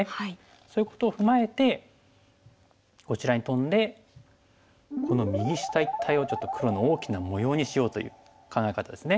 そういうことを踏まえてこちらにトンでこの右下一帯をちょっと黒の大きな模様にしようという考え方ですね。